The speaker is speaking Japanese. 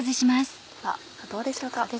さぁどうでしょうか？